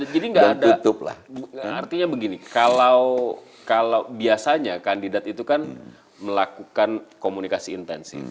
jadi gak ada artinya begini kalau biasanya kandidat itu kan melakukan komunikasi intensif